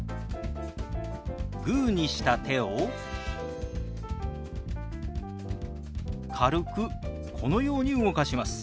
グーにした手を軽くこのように動かします。